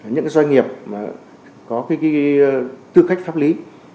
những doanh nghiệp có cái tư cách pháp lý